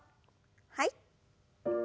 はい。